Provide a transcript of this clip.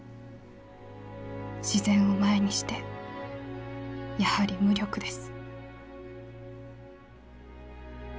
自然を前にしてやはり無力です」。